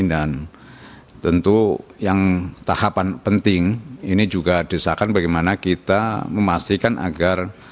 dan tentu yang tahapan penting ini juga disahkan bagaimana kita memastikan agar